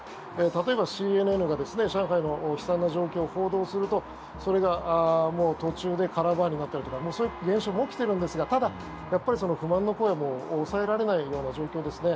例えばＣＮＮが上海の悲惨な状況を報道するとそれが途中でカラーバーになったりとかそういう現象も起きているんですがただ、やっぱり不満の声も抑えられないような状況ですね。